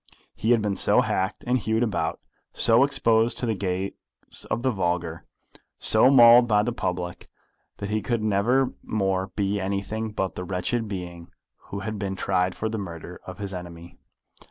He had been so hacked and hewed about, so exposed to the gaze of the vulgar, so mauled by the public, that he could never more be anything but the wretched being who had been tried for the murder of his enemy.